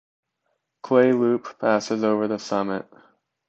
Clay Loop passes over the summit.